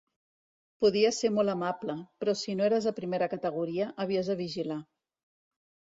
Podia ser molt amable, però si no eres de primera categoria, havies de vigilar.